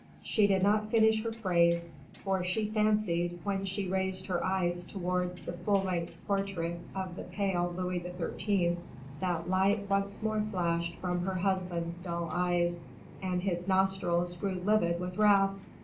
She did not finish her phrase; for she fancied, when she raised her eyes towards the full length portrait of the pale Louis XIII., that light once more flashed from her husband's dull eyes, and his nostrils grew livid with wrath.